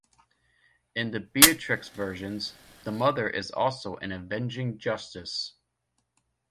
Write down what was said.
In the Beatrix versions, the mother is also an avenging justice.